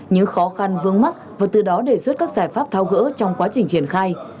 những khó khăn vương mắc và từ đó đề xuất các giải pháp thao gỡ trong quá trình triển khai